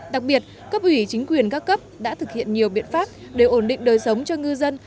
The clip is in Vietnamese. đặc biệt cấp ủy chính quyền các cấp đã thực hiện nhiều biện pháp để ổn định đời sống cho ngư dân